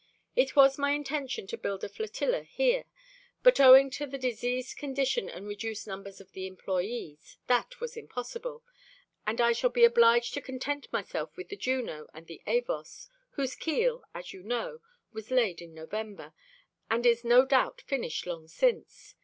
It was my intention to build a flotilla here, but owing to the diseased condition and reduced numbers of the employees, that was impossible, and I shall be obliged to content myself with the Juno and the Avos, whose keel, as you know, was laid in November, and is no doubt finished long since.